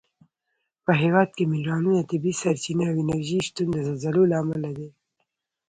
په هېواد کې منرالونه، طبیعي سرچینې او انرژي شتون د زلزلو له امله دی.